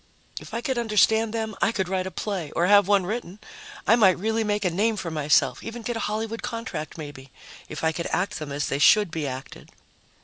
If I could understand them, I could write a play or have one written; I might really make a name for myself, even get a Hollywood contract, maybe, if I could act them as they should be acted.